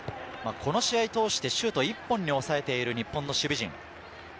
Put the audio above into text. この試合を通してシュートを１本に抑えている日本の守備陣。